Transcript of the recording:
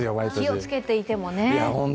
気をつけていてもね。